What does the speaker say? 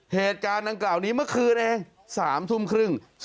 เหตุการณ์ดังกล่าวนี้เมื่อคืนเอง๓ทุ่มครึ่ง